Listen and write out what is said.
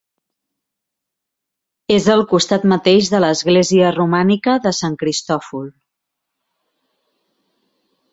És al costat mateix de l'església romànica de Sant Cristòfol.